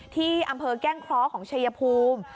ที่อำเภอแก้งเคราะห์ของชายภูมิ